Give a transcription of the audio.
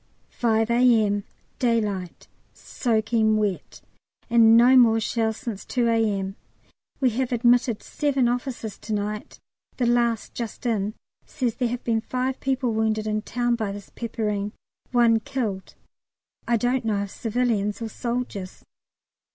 5 A.M. Daylight soaking wet, and no more shells since 2 A.M. We have admitted seven officers to night; the last just in says there have been five people wounded in the town by this peppering one killed. I don't know if civilians or soldiers.